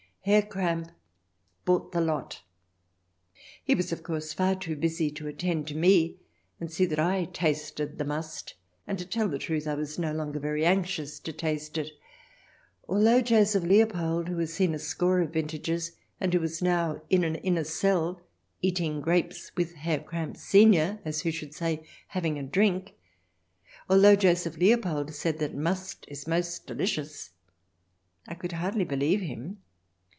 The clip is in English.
Herr Kramp bought the lot. He was, of course, far too busy to attend to me and see that I tasted the must, and, to tell the truth, I was no longer very anxious to taste it. Although Joseph Leopold, who has seen a score of vintages and who was now in an inner cell eating grapes with Herr Kramp Senior, as who should say, having a drink — although Joseph Leopold said that " must " is most delicious, I could hardly believe him.